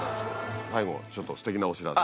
最後ちょっとすてきなお知らせを。